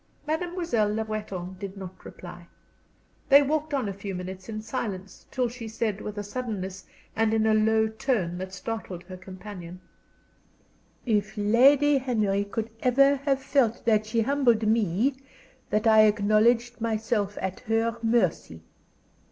Mademoiselle Le Breton did not reply. They walked on a few minutes in silence, till she said, with a suddenness and in a low tone that startled her companion: "If Lady Henry could ever have felt that she humbled me, that I acknowledged myself at her mercy!